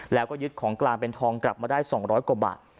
แล้วก็ยึดของกลางเป็นทองกลับมาได้๒๐๐กว่าบาท